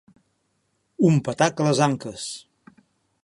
Un patac a les anques.